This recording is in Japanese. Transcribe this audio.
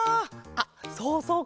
あっそうそう